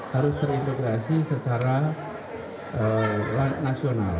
harus terintegrasi secara nasional